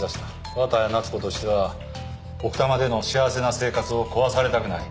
綿谷夏子としては奥多摩での幸せな生活を壊されたくない。